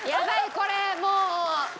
これもう。